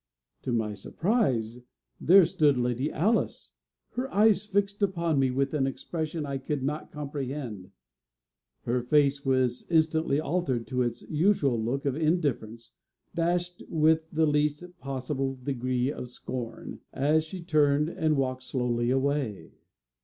To my surprise, there stood Lady Alice, her eyes fixed upon me with an expression I could not comprehend. Her face instantly altered to its usual look of indifference, dashed with the least possible degree of scorn, as she turned and walked slowly away.